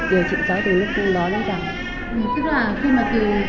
tức là khi mà từ huyện tỉnh là cũng đã xác định là cháu bị tiểu đường rồi đúng không ạ